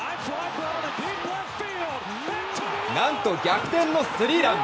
何と逆転のスリーラン。